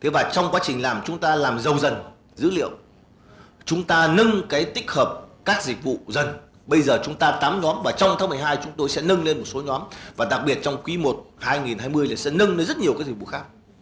và trong quá trình làm chúng ta làm dầu dần dữ liệu chúng ta nâng cái tích hợp các dịch vụ dần bây giờ chúng ta tám nhóm và trong tháng một mươi hai chúng tôi sẽ nâng lên một số nhóm và đặc biệt trong quý i hai nghìn hai mươi sẽ nâng lên rất nhiều dịch vụ khác